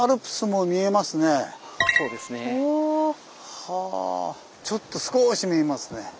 はあちょっと少し見えますね。